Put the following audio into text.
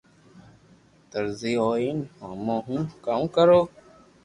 درزي ھوئين ھمو ھون ڪاوُ ڪرو